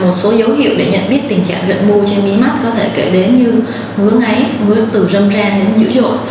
một số dấu hiệu để nhận biết tình trạng rận mưu trên mi mắt có thể kể đến như ngứa ngáy ngứa từ râm ra đến dữ dội